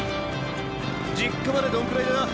実家までどんくらいだ？